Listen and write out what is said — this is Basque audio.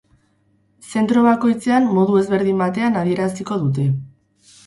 Zentro bakoitzean modu ezberdin batean adieraziko dute.